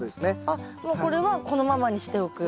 あっもうこれはこのままにしておく？